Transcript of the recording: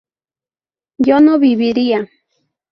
yo no viviría